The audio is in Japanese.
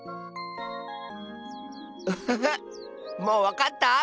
もうわかった？